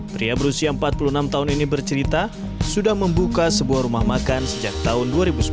pria berusia empat puluh enam tahun ini bercerita sudah membuka sebuah rumah makan sejak tahun dua ribu sepuluh